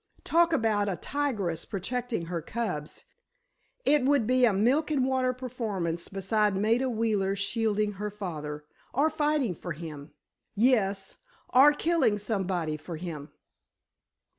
Talk about a tigress protecting her cubs; it would be a milk and water performance beside Maida Wheeler shielding her father—or fighting for him—yes, or killing somebody for him!"